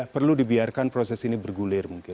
perlu dibiarkan proses ini bergulir mungkin